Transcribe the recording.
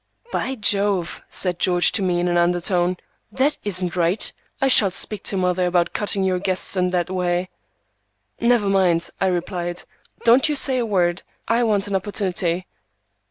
"By Jove," said George to me in an undertone, "that isn't right! I shall speak to mother about cutting your guests in that way." "Never mind," I replied, "don't you say a word; I want an opportunity."